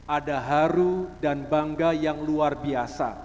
ada haru dan bangga yang luar biasa